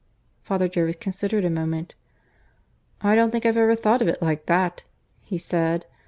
Father Jervis considered a moment. "I don't think I've ever thought of it like that," he said.